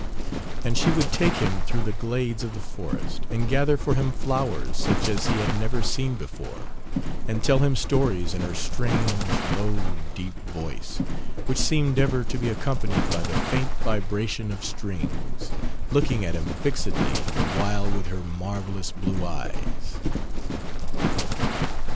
And she would take him through the glades of the forest and gather for him flowers, such as he had never seen before, and tell him stories in her strange, low deep voice, which seemed ever to be accompanied by the faint vibration of strings, looking at him fixedly the while with her marvellous blue eyes.